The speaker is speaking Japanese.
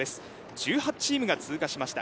１８チームが通過しました。